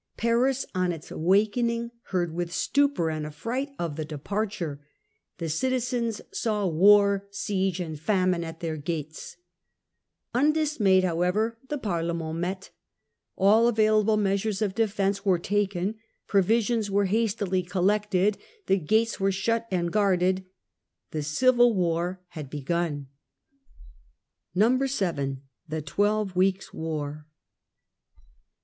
' Paris, on its awakening, heard with stupor and affright of the departure. The citizens saw war, siege, and famine at their gates.' Undismayed however the 1649 Second departure of the Court. 41 Parlement met. All available measures of defence were taken ; provisions were hastily collected ; the gates were shut and guarded. The civil war had begun. 7. The Twelve Weeks* War.